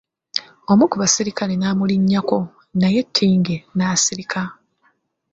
Omu ku basirikale n'amulinnyako, naye Tingi n'asirika.